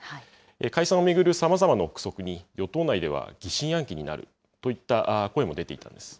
解散を巡るさまざまな憶測に、与党内では疑心暗鬼になるといった声も出ていたんです。